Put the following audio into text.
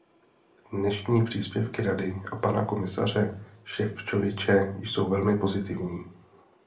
Dnešní příspěvky Rady a pana komisaře Šefčoviče jsou velmi pozitivní.